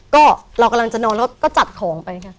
ก็เรากำลังจะนอนแล้วก็จัดของไปค่ะ